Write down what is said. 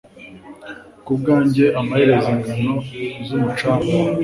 Kubwanjye amaherezo ingano z'umucanga